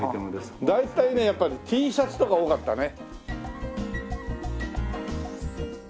大体ねやっぱりＴシャツとか多かったね。